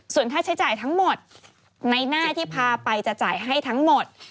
ส่วนค่าใช้จ่ายทั้งหมดในหน้าที่พาไปจะจ่ายให้ทั้งหมด